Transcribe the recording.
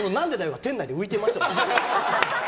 が店内で浮いてました。